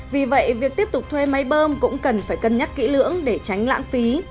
vì vậy việc tiếp tục thuê máy bơm cũng cần phải cân nhắc kỹ lưỡng để tránh lãng phí